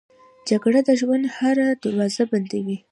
جګړه د ژوند هره دروازه بندوي